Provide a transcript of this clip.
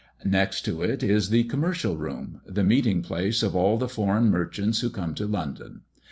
Next to it is the "Commercial Room," the meeting place of all the foreign merchants who come to London.